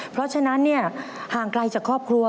เพราะฉะนั้นห่างไกลจากครอบครัว